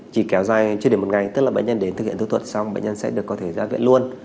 chỉ kéo dài chưa đầy một ngày tức là bệnh nhân đến thực hiện phẫu thuật xong bệnh nhân sẽ được có thể ra viện luôn